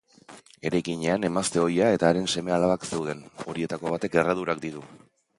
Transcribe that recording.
Eraikinean emazte ohia eta haren seme-alabak zeuden, horietako batek erredurak ditu.